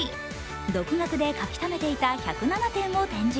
独学で描きためていた１０７点を展示。